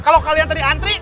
kalau kalian tadi antri